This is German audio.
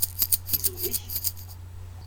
Wieso ich?